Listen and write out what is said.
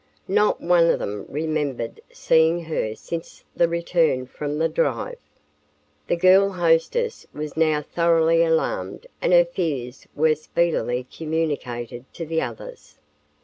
Not one of them remembered seeing her since the return from the drive. The girl hostess was now thoroughly alarmed and her fears were speedily communicated to the others.